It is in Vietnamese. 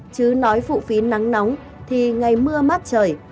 chứ nói phụ phí nắng nóng thì ngày mưa mát trời